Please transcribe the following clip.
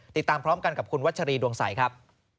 ติดตามพร้อมกันกับคุณวัชรีดวงใสครับ